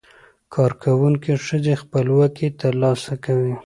کارکوونکې ښځې خپلواکي ترلاسه کوي.